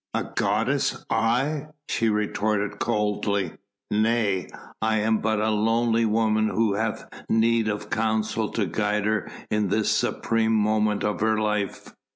"A goddess? I?" she retorted coldly; "nay! I am but a lonely woman who hath need of counsel to guide her in this supreme moment of her life."